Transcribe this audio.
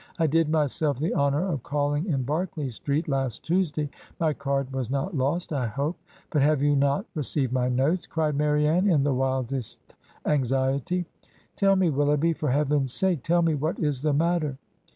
' I did myself the honor of calling in Berkeley Street, last Tuesday. ... My card was not lost, I hope?* ' But have you not re ceived my notes?' cried Marianne, in the wildest anx iety. ... 'Tell me, Willoughby — for Heaven's sake, tell me, what is the matter?'